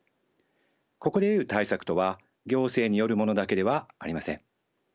ここで言う対策とは行政によるものだけではありません。